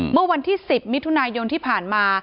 เมื่อวันที่๑๐มิถุนายนที่ผ่านมา